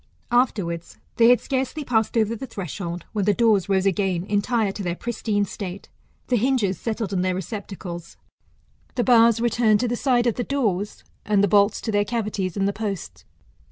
''Afterwards, they had scarcely passed over the threshold, when the doors rose again entire to their pristine state, the hinges settled in their receptacles ; the bars returned to the sides of the doors ; and the bolts to their cavities in the posts.